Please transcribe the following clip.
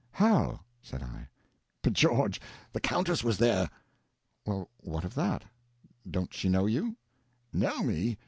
"How?" said I. "B' George, the Countess was there!" "Well, what of that? don't she know you?" "Know me?